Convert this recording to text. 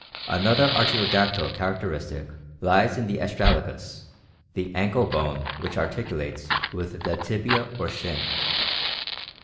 Another artiodactyl characteristic lies in the astragalus, the ankle bone which articulates with the tibia or shin.